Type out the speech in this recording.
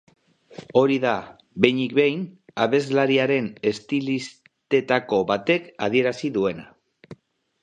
Hori da, behinik behin, abeslariaren estilistetako batek adierazi duena.